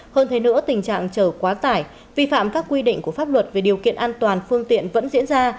hơn thế nữa tình trạng chở quá tải vi phạm các quy định của pháp luật về điều kiện an toàn phương tiện vẫn diễn ra